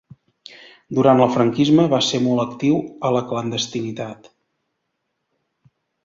Durant el franquisme va ser molt actiu a la clandestinitat.